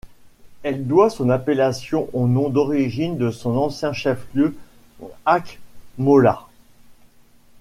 Elle doit son appellation au nom d'origine de son ancien chef-lieu, Akmola.